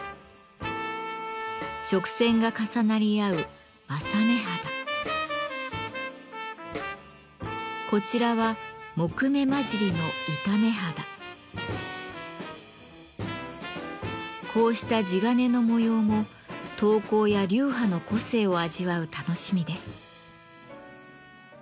直線が重なり合うこちらはこうした地鉄の模様も刀工や流派の個性を味わう楽しみです。